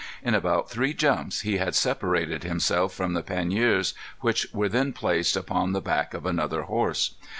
In about three jumps he had separated himself from the panniers, which were then placed upon the back of another horse.